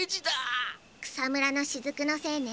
くさむらのしずくのせいね。